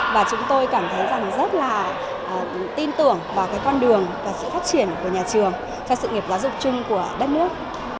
và chúng tôi cảm thấy rằng rất là tin tưởng vào cái con đường và sự phát triển của nhà trường cho sự nghiệp giáo dục chung của đất nước